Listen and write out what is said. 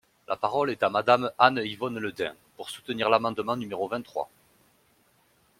La parole est à Madame Anne-Yvonne Le Dain, pour soutenir l’amendement numéro vingt-trois.